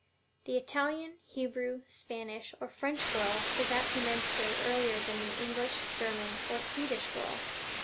The Italian, Hebrew, Spanish, or French girl is apt to menstruate earlier than the English, German, or Swedish girl.